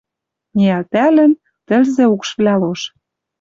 Ниӓлтӓлӹн... Тӹлзӹ укшвлӓ лош